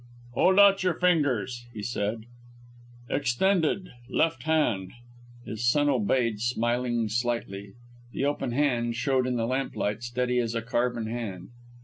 "Hold out your fingers," he said, "extended; left hand." His son obeyed, smiling slightly. The open hand showed in the lamplight steady as a carven hand.